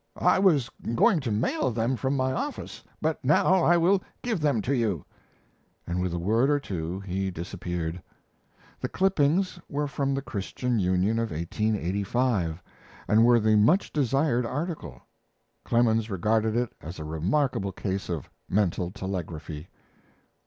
I was going to mail them from my office, but now I will give them to you," and with a word or two he disappeared. The clippings were from the Christian Union of 1885, and were the much desired article. Clemens regarded it as a remarkable case of mental telegraphy.